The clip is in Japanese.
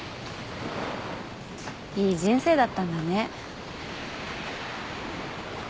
いい人生だったんだね。